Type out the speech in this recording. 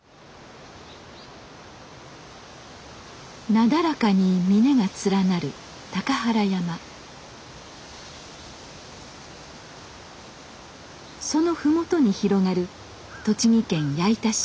なだらかに峰が連なるその麓に広がる栃木県矢板市。